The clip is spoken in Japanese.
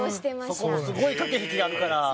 田村：すごい駆け引きあるから。